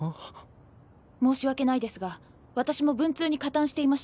申し訳ないですがわたしも文通に加担していました。